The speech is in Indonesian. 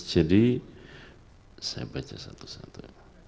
jadi saya baca satu satu